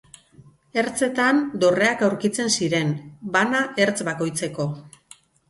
Ertzetan, dorreak aurkitzen ziren, bana ertz bakoitzeko.